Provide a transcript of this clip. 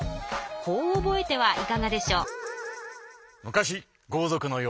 こう覚えてはいかがでしょう？